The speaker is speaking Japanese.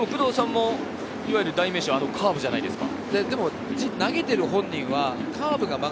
工藤さんもいわゆる代名詞はカーブじゃないですか。